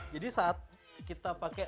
jadi saat kita pakai